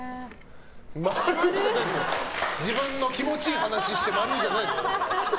自分の気持ちいい話して○じゃないの。